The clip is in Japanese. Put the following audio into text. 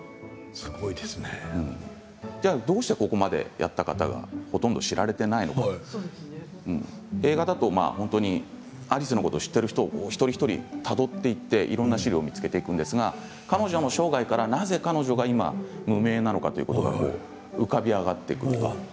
じゃあ、どうしてここまでやった方がほとんど知られていないのか映画だとアリスのことを知っている人、お一人お一人たどっていっていろいろな資料を見つけていくんですが彼女の生涯からなぜ彼女が無名なのかということが浮かび上がってきます。